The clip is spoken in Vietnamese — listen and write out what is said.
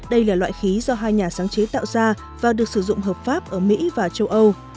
đây là loại khí do hai nhà sáng chế tạo ra và được sử dụng hợp pháp ở mỹ và châu âu